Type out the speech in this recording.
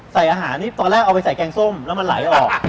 ใส่อาหารนี่ตอนแรกเอาไปใส่แกงส้มแล้วมันไหลออก